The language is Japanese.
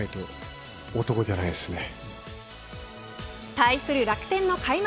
対する楽天の開幕